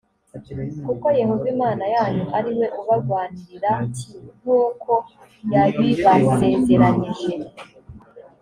kuko yehova imana yanyu ari we ubarwanirira t nk uko yabibasezeranyije